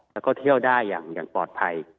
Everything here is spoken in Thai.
แล้วก็เที่ยวได้อย่างปลอดภัย